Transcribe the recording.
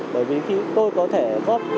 bởi vì khi tôi có thể góp